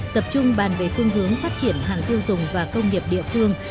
tập trung bàn về phương hướng phát triển hàng tiêu dùng và công nghiệp địa phương